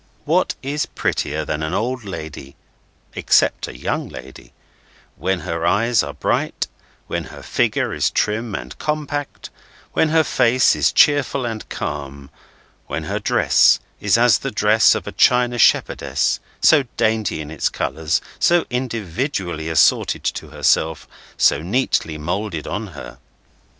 What is prettier than an old lady—except a young lady—when her eyes are bright, when her figure is trim and compact, when her face is cheerful and calm, when her dress is as the dress of a china shepherdess: so dainty in its colours, so individually assorted to herself, so neatly moulded on her?